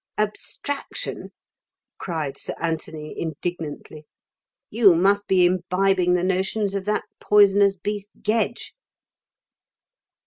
"Abstraction!" cried Sir Anthony, indignantly. "You must be imbibing the notions of that poisonous beast Gedge."